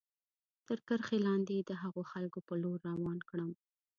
تر کرښې لاندې د هغو خلکو په لور روان کړم.